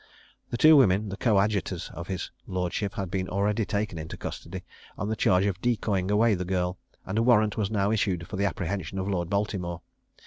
The two women, the coadjutors of his lordship, had been already taken into custody, on the charge of decoying away the girl; and a warrant was now issued for the apprehension of Lord Baltimore.